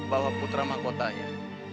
bahwa putra mahkotanya